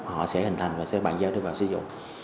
họ sẽ hình thành và sẽ bàn giao đưa vào sử dụng